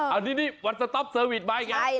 อันนี้วัสโต๊ปวีสบายไงฟ้าครับคะ